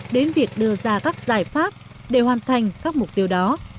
đến việc đưa ra các giải pháp để hoàn thành các mục tiêu đó